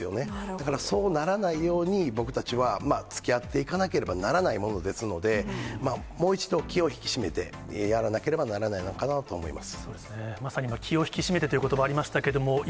だからそうならないように、僕たちは、つきあっていかなければならないものですので、もう一度気を引き締めてやらなければならないのかなと思います。